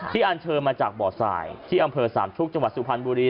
อันเชิญมาจากบ่อสายที่อำเภอสามชุกจังหวัดสุพรรณบุรี